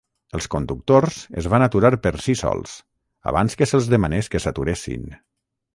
Els conductors es van aturar per si sols, abans que se'ls demanés que s'aturessin.